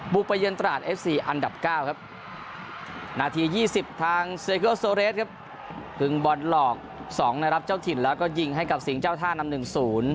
บุประเยินตราชเอฟซีอันดับ๙ครับนาที๒๐ทางเซเกอร์โซเรสครับพึงบอลหลอก๒นับเจ้าถิ่นแล้วก็ยิงให้กับสิงเจ้าท่านำหนึ่ง๐